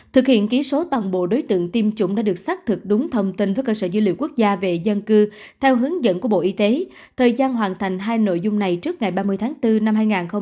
thực hiện ký số toàn bộ đối tượng tiêm chủng đã được xác thực đúng thông tin với cơ sở dữ liệu quốc gia về dân cư theo hướng dẫn của bộ y tế thời gian hoàn thành hai nội dung này trước ngày ba mươi tháng bốn năm hai nghìn hai mươi